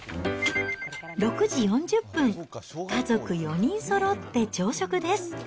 ６時４０分、家族４人そろって朝食です。